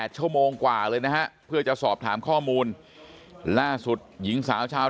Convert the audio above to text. ชั่วโมงกว่าเลยนะฮะเพื่อจะสอบถามข้อมูลล่าสุดหญิงสาวชาว